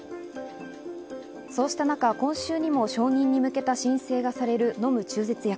そうした中、今週にも承認に向けた申請がされる飲む中絶薬。